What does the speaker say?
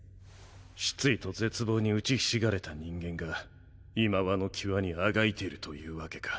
失意と絶望に打ちひしがれた人間が今際の際に足掻いているというわけか。